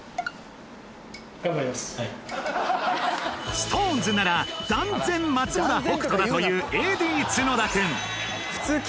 ＳｉｘＴＯＮＥＳなら断然松村北斗だというＡＤ角田くん